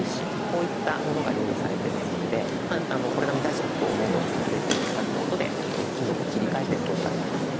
こういったものが用意されてますのでこれが見たいぞと思うものに触れて頂くことで機能を切り替えてくことができます。